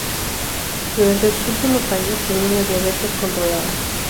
Durante sus últimos años, tenía una diabetes controlada.